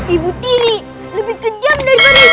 ibu tiri lebih kejam daripada ibu kota